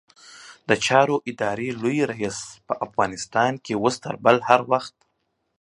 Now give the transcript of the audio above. د چارو ادارې لوی رئيس؛ افغانستان کې اوس تر بل هر وخت